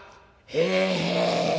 「へえ。